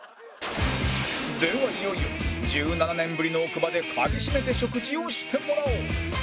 ではいよいよ１７年ぶりの奥歯で噛みしめて食事をしてもらおう！